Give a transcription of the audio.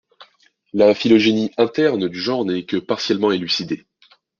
La phylogénie interne du genre n'est que partiellement élucidée.